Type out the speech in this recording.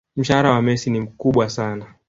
mshahara wa Messi ni mkubwa sana